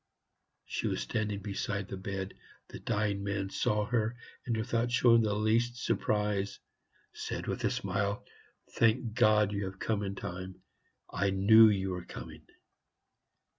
She was standing beside the bed. The dying man saw her, and without showing the least surprise, said with a smile, "Thank God! you have come in time. I knew you were coming."